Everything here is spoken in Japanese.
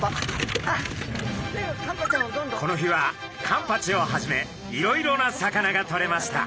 この日はカンパチをはじめいろいろな魚がとれました。